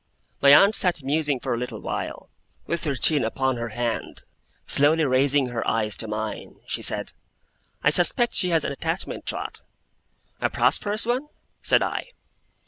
My aunt sat musing for a little while, with her chin upon her hand. Slowly raising her eyes to mine, she said: 'I suspect she has an attachment, Trot.' 'A prosperous one?' said I.